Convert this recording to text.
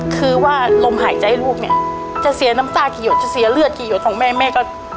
คือว่าลมหายใจลูกเนี่ยจะเสียน้ำตากี่หยดจะเสียเลือดกี่หยดของแม่แม่ก็